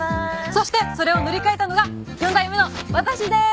そしてそれを塗り替えたのが四代目の私でーす。